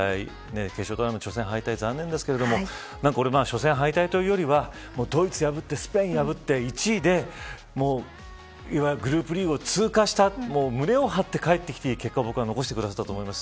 決勝トーナメント初戦敗退残念ですけど初戦敗退というよりはドイツ破って、スペイン破って１位でグループリーグを通過した胸を張って帰ってきていい結果を僕は残してくださったと思います。